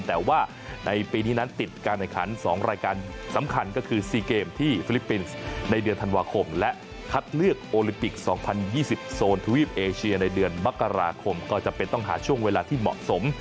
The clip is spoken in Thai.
แต่ว่าในปีนี้นั้นติดการแข่งขัน๒รายการสำคัญก็คือ๔เกมที่ฟิลิปปินส์ในเดือนธันวาคมและคัดเลือกโอลิมปิก๒๐๒๐โซนทวีปเอเชียในเดือนมกราคมก็จำเป็นต้องหาช่วงเวลาที่เหมาะสม